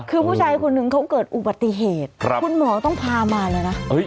คือผู้ชายคนนึงเขาเกิดอุบัติเหตุครับคุณหมอก็ต้องพามาเลยน่ะเอ้ย